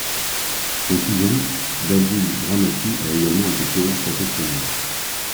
Son cousin Davide Bramati a également été coureur professionnel.